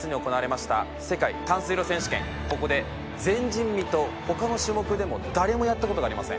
ここで前人未到他の種目でも誰もやった事がありません。